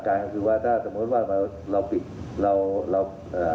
ไปแพร่ระบาดเช็ดเดียวกันนะครับ